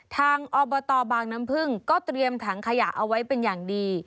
ทางอบตบางน้ำพึ่งก็เตรียมถังขยะเอาไว้เป็นอย่างดี